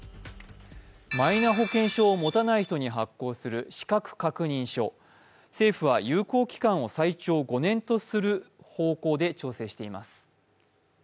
マイナ保険証を持たない人に発行する資格確認書、政府は有効期間を最長５年とする方向で調整しています。